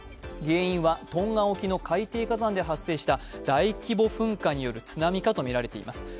原因はトンガ沖の海底火山で発生した大規模噴火による津波かとみられています。